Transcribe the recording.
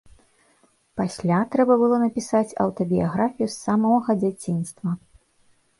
Пасля трэба было напісаць аўтабіяграфію з самога дзяцінства.